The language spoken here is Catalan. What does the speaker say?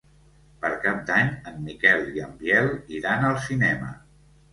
Per Cap d'Any en Miquel i en Biel iran al cinema.